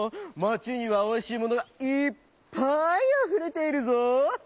町にはおいしいものがいっぱいあふれているぞ」。